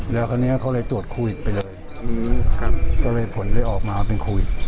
แล้วคราวนี้เขาเลยตรวจโควิดไปเลยก็เลยผลเลยออกมาเป็นโควิด